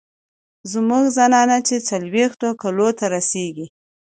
زمونږ زنانه چې څلوېښتو کالو ته رسي